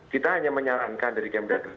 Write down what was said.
kita hanya menyalankan dari kemendagri